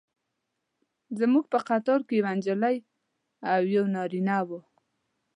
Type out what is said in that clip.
زموږ په قطار کې یوه نجلۍ او یو نارینه و.